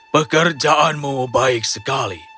pekerjaanmu baik sekali